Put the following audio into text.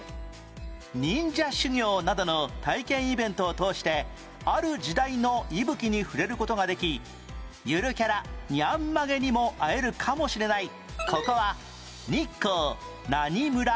忍者修行などの体験イベントを通してある時代の息吹に触れる事ができゆるキャラニャンまげにも会えるかもしれないここは日光何村？